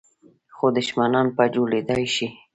خو دښمنان په جوړېدای شي .